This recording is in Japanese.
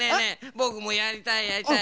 ぼくもやりたいやりたい！